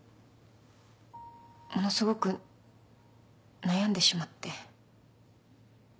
ものすごく悩んでしまって。